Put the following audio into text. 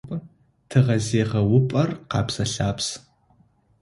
Тыгъэзегъэупӏэр къэбзэ-лъабз.